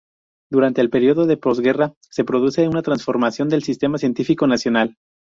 Durante el período de posguerra se produce una transformación del sistema científico nacional.